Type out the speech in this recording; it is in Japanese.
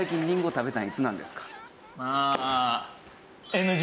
まあ。